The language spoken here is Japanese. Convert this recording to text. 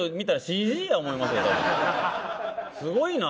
すごいな。